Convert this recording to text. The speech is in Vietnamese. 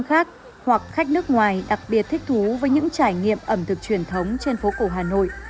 khách hoặc khách nước ngoài đặc biệt thích thú với những trải nghiệm ẩm thực truyền thống trên phố cổ hà nội